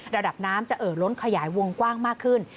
ระดับน้ำจะเอ่อล้นขยายวงกว้างมากขึ้น